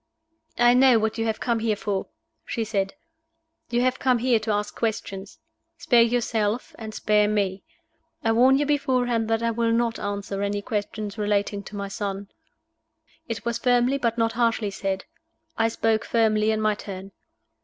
"I know what you have come here for," she said. "You have come here to ask questions. Spare yourself, and spare me. I warn you beforehand that I will not answer any questions relating to my son." It was firmly, but not harshly said. I spoke firmly in my turn.